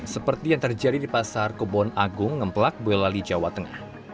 seperti yang terjadi di pasar kebon agung ngemplak boyolali jawa tengah